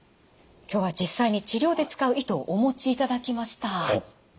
今日は実際に治療で使う糸をお持ちいただきました。